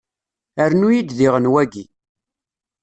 Rnu-iyi-d diɣen wagi.